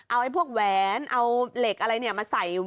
เอาไอ้พวกแหวนเอาเหล็กอะไรเนี่ยมาใส่